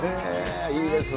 いいですね。